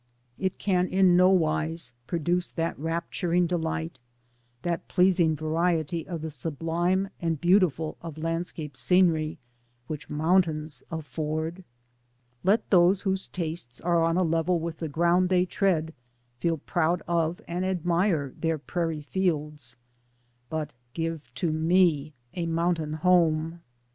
It can in no wise produce that rapturing delight, that pleasing variety of the sublime and beautiful of land scape scenery which mountains afford. Let those whose tastes are on a level with the ground they tread feel proud of and ad mire their prairie fields, but give to me a mountain home.